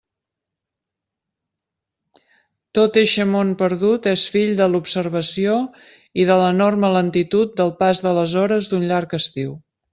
Tot eixe món perdut és fill de l'observació i de l'enorme lentitud del pas de les hores d'un llarg estiu.